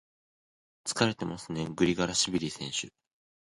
疲れてますね、グリガラシビリ選手。